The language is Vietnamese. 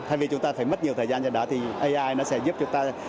thay vì chúng ta phải mất nhiều thời gian trong đó thì ai nó sẽ giúp chúng ta